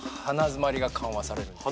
鼻詰まりが緩和される？